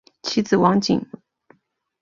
其子王景。